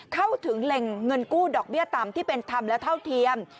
เข้าถึงแหล่งเงินกู้ดอกเบี้ยต่ำที่เป็นธรรมและเท่าเทียม